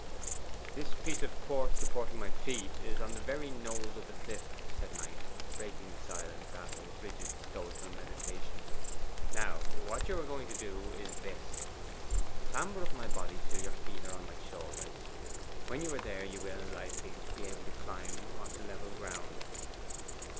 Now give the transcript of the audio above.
'This piece of quartz, supporting my feet, is on the very nose of the cliff,' said Knight, breaking the silence after his rigid stoical meditation. 'Now what you are to do is this. Clamber up my body till your feet are on my shoulders: when you are there you will, I think, be able to climb on to level ground.